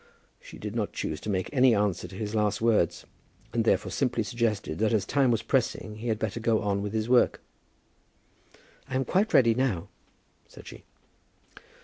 She did not choose to make any answer to his last words; and therefore simply suggested that as time was pressing he had better go on with his work. "I am quite ready now," said she.